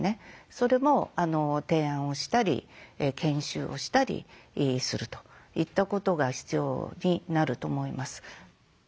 それも提案をしたり研修をしたりするといったことが必要になると思います。